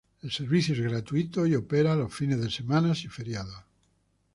El servicio es gratuito y opera los fines de semana y feriados.